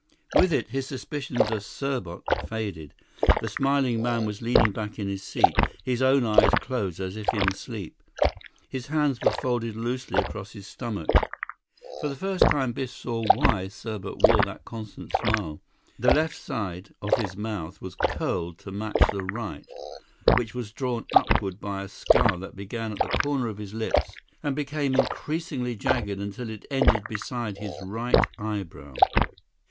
With it, his suspicions of Serbot faded. The smiling man was leaning back in his seat, his own eyes closed as if in sleep. His hands were folded loosely across his stomach. For the first time, Biff saw why Serbot wore that constant smile. The left side of his mouth was curled to match the right, which was drawn upward by a scar that began at the corner of his lips and became increasingly jagged until it ended beside his right eyebrow.